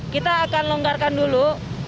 kita akan longgarkan dulu